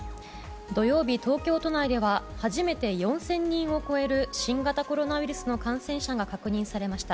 土曜日、東京都内では初めて４０００人を超える新型コロナウイルスの感染者が確認されました。